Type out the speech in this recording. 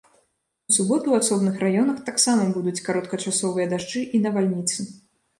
У суботу ў асобных раёнах таксама будуць кароткачасовыя дажджы і навальніцы.